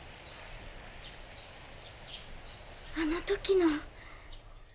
あの時の。